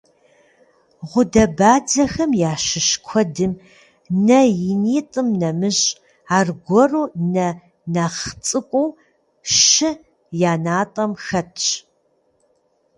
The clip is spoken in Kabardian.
Гъудэбадзэхэм ящыщ куэдым, нэ инитӏым нэмыщӏ, аргуэру нэ нэхъ цӏыкӏуу щы я натӏэм хэтщ.